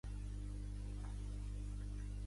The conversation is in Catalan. Heinlein va reescriure l'obra per a aquesta aparició.